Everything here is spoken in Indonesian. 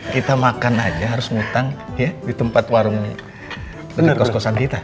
kita makan aja harus ngutang di tempat warung kos kosan kita